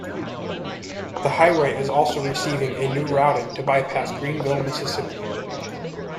The highway is also receiving a new routing to bypass Greenville, Mississippi.